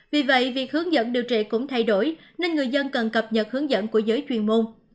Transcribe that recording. vì vậy việc hướng dẫn điều trị cũng thay đổi nên người dân cần cập nhật hướng dẫn của giới chuyên môn